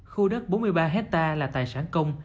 khu đất bốn mươi ba hectare là tài sản công